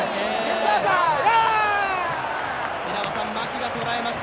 稲葉さん、牧がとらえました。